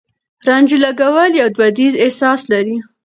رانجه لګول يو دوديز احساس لري.